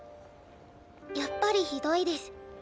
やっぱりひどいデス。